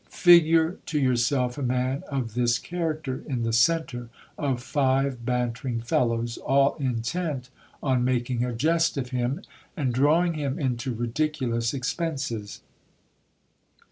Figure to yourself a man of this cha racter in the centre of five bantering fellows, all intent on making a jest of him, and drawing him into ridiculous expenses.